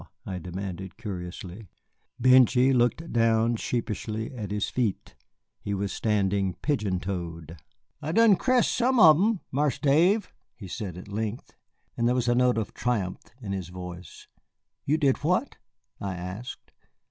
I demanded curiously. Benjy looked down sheepishly at his feet. He was standing pigeon toed. "I done c'ressed some on 'em, Marse Dave," he said at length, and there was a note of triumph in his voice. "You did what?" I asked.